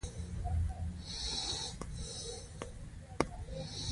خوځښت د وړتیا پر اساس د لوړېدو پروسه ده.